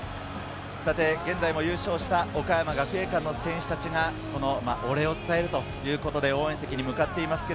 現在も優勝した岡山学芸館の選手たちが、お礼を伝えるということで、応援席に向かっています。